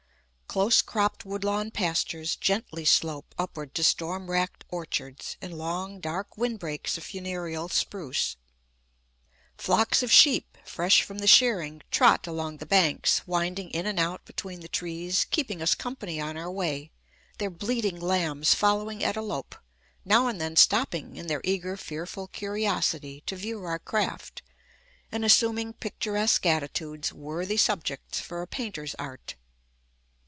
Close cropped woodlawn pastures gently slope upward to storm wracked orchards, and long, dark windbreaks of funereal spruce. Flocks of sheep, fresh from the shearing, trot along the banks, winding in and out between the trees, keeping us company on our way, their bleating lambs following at a lope, now and then stopping, in their eager, fearful curiosity, to view our craft, and assuming picturesque attitudes, worthy subjects for a painter's art.